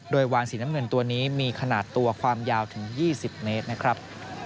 โดยวานสีน้ำเงินตัวนี้มีขนาดตัวความยาวถึง๒๐เมตรนะครับ